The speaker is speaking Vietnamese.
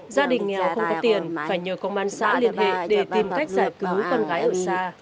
gia đình nghèo không có tiền phải nhờ công an xã liên hệ để tìm cách giải cứu con gái ở xa